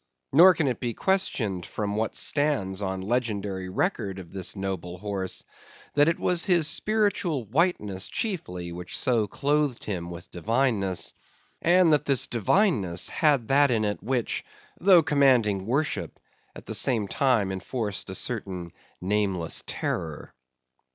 Nor can it be questioned from what stands on legendary record of this noble horse, that it was his spiritual whiteness chiefly, which so clothed him with divineness; and that this divineness had that in it which, though commanding worship, at the same time enforced a certain nameless terror.